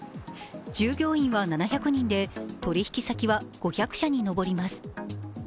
従業員は７００人で取引先は５００社に上ります。